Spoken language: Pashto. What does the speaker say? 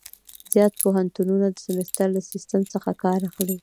زیات پوهنتونونه د سمستر له سیسټم څخه کار اخلي.